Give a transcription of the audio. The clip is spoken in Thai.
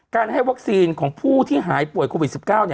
ให้วัคซีนของผู้ที่หายป่วยโควิด๑๙